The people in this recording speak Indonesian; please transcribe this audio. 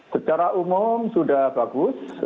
secara umum sudah bagus